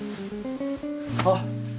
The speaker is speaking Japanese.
あっ！